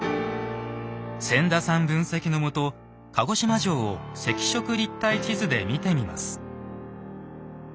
千田さん分析のもと鹿児島城を赤色立体地図で見てみます。